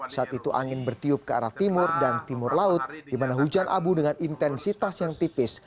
saat itu angin bertiup ke arah timur dan timur laut di mana hujan abu dengan intensitas yang tipis